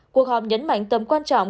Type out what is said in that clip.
cuộc họp nhấn mạnh tầm quan trọng